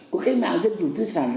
của cái mạng dân chủ tư sản